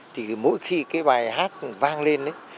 thì mỗi khi cái bài hát vang lên